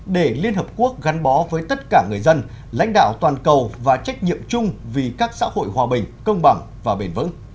để liên hợp quốc gắn bó với tất cả người dân lãnh đạo toàn cầu và trách nhiệm chung vì các xã hội hòa bình công bằng và bền vững